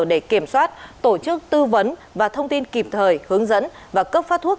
để kiểm soát tổ chức tư vấn và thông tin kịp thời hướng dẫn và cấp phát thuốc